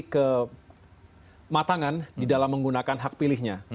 kematangan di dalam menggunakan hak pilihnya